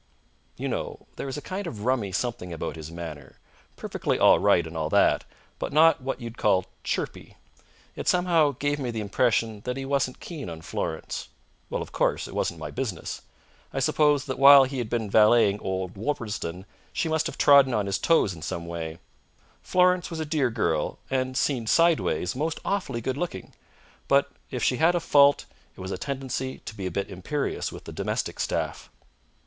You know, there was a kind of rummy something about his manner. Perfectly all right and all that, but not what you'd call chirpy. It somehow gave me the impression that he wasn't keen on Florence. Well, of course, it wasn't my business. I supposed that while he had been valeting old Worplesdon she must have trodden on his toes in some way. Florence was a dear girl, and, seen sideways, most awfully good looking; but if she had a fault it was a tendency to be a bit imperious with the domestic staff.